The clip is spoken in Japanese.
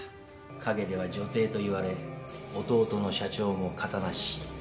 陰では女帝と言われ弟の社長も形なし。